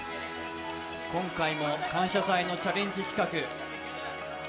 今回も「感謝祭」のチャレンジ企画。